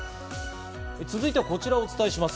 続いては、こちらをお伝えします。